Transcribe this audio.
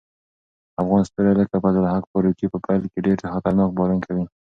افغان ستوري لکه فضل الحق فاروقي په پیل کې ډېر خطرناک بالینګ کوي.